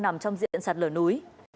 nằm trong diện sạt lở núi